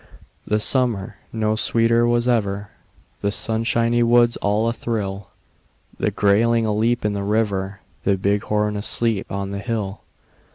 The summer no sweeter was ever; The sunshiny woods all athrill; The grayling aleap in the river, The bighorn asleep on the hill.